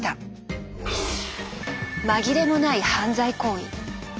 紛れもない犯罪行為。